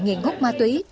nghiện hút ma túy